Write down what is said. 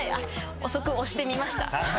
遅く押してみました。